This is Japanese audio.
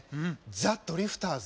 ザ・ドリフターズ。